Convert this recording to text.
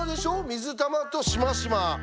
水玉としましま。